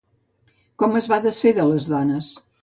Com es va desfer de les dones?